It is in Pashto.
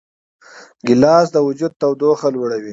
ګیلاس د وجود تودوخه لوړوي.